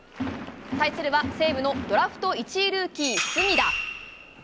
対するは西武のドラフト１位ルーキー、隅田。